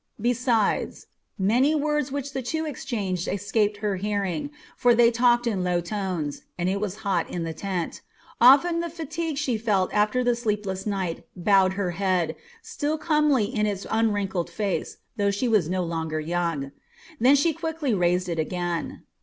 Besides, many words which the two exchanged escaped her hearing, for they talked in low tones, and it was hot in the tent. Often the fatigue she felt after the sleepless night bowed her head, still comely with its unwrinkled face, though she was no longer young; then she quickly raised it again.